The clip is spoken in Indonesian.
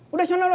udah sana lu